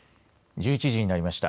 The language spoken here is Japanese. １１時になりました。